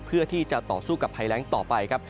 เพื่อที่จะต่อสู้กับภัยแรงต่อไปครับ